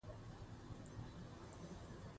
فرهنګ د ښځو او سړیو ټولنیز رولونه تعریفوي.